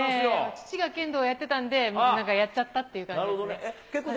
父が剣道やってたんで、なんかやっちゃったっていう感じですね。